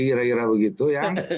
kira kira begitu ya